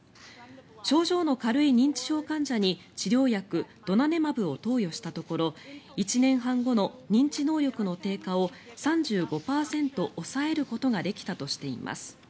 症状の軽い認知症患者に治療薬ドナネマブを投与したところ１年半後の認知能力の低下を３５％抑えることができたとしています。